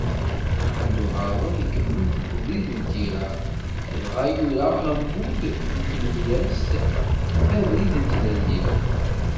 Muḥemmed Uharun, ikemmel deg ubrid n tira, dɣa yura ammud n tmedyazt “Abrid n tlelli”.